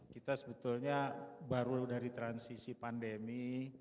kita sebetulnya baru dari transisi pandemi